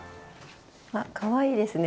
あかわいいですね